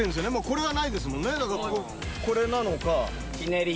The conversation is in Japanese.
これはないですもんねだからこれなのかひねり？